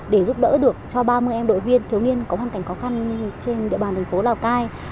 để giúp đỡ được cho ba mươi em đội viên thiếu niên có hoàn cảnh khó khăn trên địa bàn thành phố lào cai